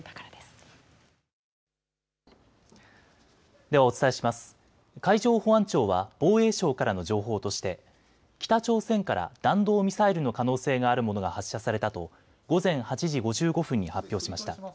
海上保安庁は防衛省からの情報として北朝鮮から弾道ミサイルの可能性があるものが発射されたと午前８時５５分に発表しました。